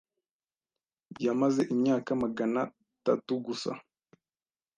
Yamaze imyaka magana tatu gusa.